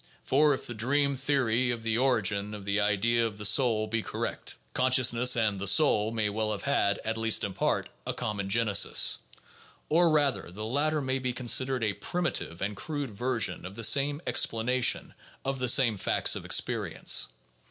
For if the dream theory of the origin of the idea of the soul be correct, "consciousness" and "the soul" may well have had, at least in part, a common genesis; or rather, the latter may be considered a primitive and crude version of the same expla nation of the same facts of experience.